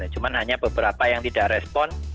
cuma hanya beberapa yang tidak respon